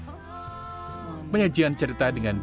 menurut penonton penyajian tersebut menarik